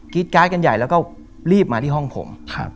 การ์ดกันใหญ่แล้วก็รีบมาที่ห้องผม